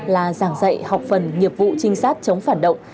là giảng dạy học phần nghiệp vụ trinh sát chống phản động